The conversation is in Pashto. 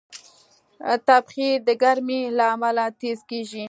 تبخیر د ګرمۍ له امله تېز کېږي.